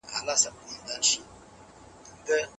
کبابي خپل سیخان په ترتیب سره په اور باندې ایښي وو.